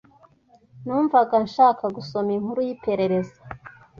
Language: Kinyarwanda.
Numvaga nshaka gusoma inkuru yiperereza.